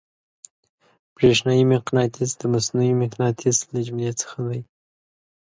برېښنايي مقناطیس د مصنوعي مقناطیس له جملې څخه دی.